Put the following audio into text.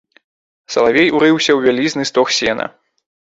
Салавей урыўся ў вялізны стог сена.